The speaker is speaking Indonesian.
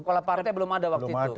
pola partai belum ada waktu itu